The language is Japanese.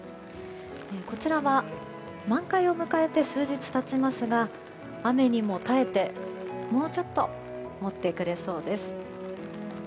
こちらは、満開を迎えて数日経ちますが雨にも耐えて、もうちょっともってくれそうです。